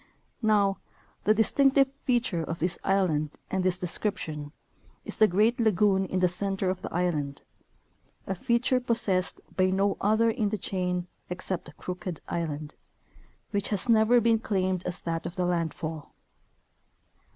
Now, the distinctive feature of this island and this description is the great lagoon in the center of the island, a feature possessed by no other in the chain except Crooked island, which has never been claimed as that of the landfall.